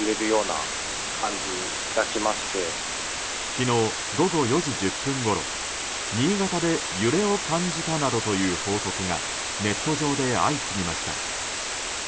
昨日午後４時１０分ごろ新潟で揺れを感じたなどという報告がネット上で相次ぎました。